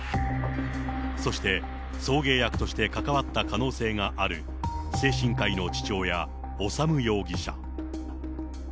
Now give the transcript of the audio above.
そして、送迎役として関わった可能性がある精神科医の父親、修容疑者。